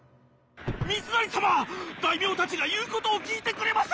三成様大名たちが言うことを聞いてくれません！